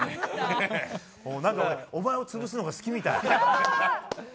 なんか、お前を潰すのが好きみたい。